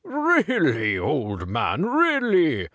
'^Really^ old man^ really